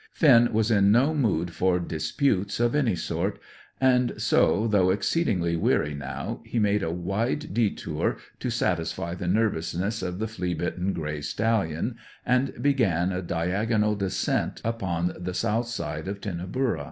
Finn was in no mood for disputes of any sort, and so, though exceedingly weary now, he made a wide detour to satisfy the nervousness of the flea bitten grey stallion, and began a diagonal descent upon the south side of Tinnaburra.